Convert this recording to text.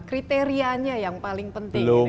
kriteriannya yang paling penting